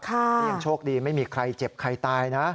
ก็ยังโชคดีไม่มีใครเจ็บใครตายนะ